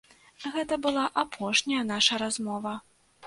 Гэта была апошняя наша размова.